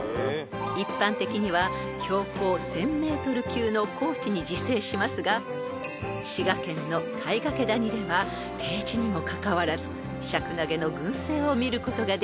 ［一般的には標高１，０００ｍ級の高地に自生しますが滋賀県の鎌掛谷では低地にもかかわらずシャクナゲの群生を見ることができるんです］